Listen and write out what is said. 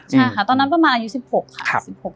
ใช่ค่ะตอนนั้นประมาณอายุ๑๖ค่ะ